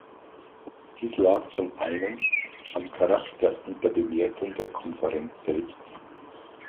Dies lag zum einen am Charakter und der Bewertung der Konferenz selbst.